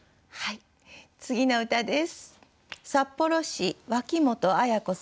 次の歌です。